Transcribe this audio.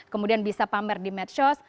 kemudian bisa pamer di medsos